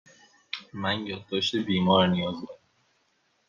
من یادداشت بیمار نیاز دارم.